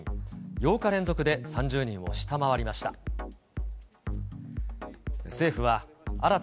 ８日連続で３０人を下回りました。